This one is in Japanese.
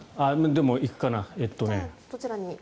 でも、行くかな。